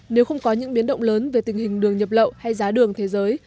nếu không có những biến động lớn về tình hình đường nhập lậu hay giá đường thế giới